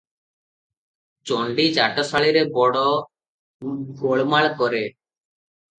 ଚଣ୍ଡୀ ଚାଟଶାଳୀରେ ବଡ଼ ଗୋଳମାଳ କରେ ।